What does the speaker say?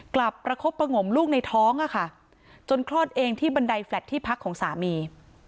ประคบประงมลูกในท้องอะค่ะจนคลอดเองที่บันไดแลตที่พักของสามี